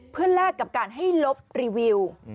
เพื่อแลกกับการให้ลบรีวิว